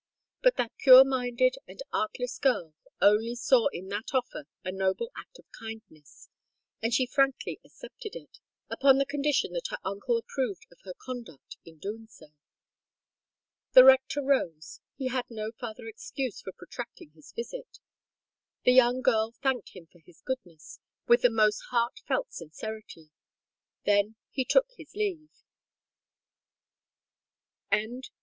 But that pure minded and artless girl only saw in that offer a noble act of kindness; and she frankly accepted it—upon the condition that her uncle approved of her conduct in doing so. The rector rose—he had no farther excuse for protracting his visit. The young girl thanked him for his goodness with the most heart felt sincerity. He then took his leave. CHAPTER CXLV.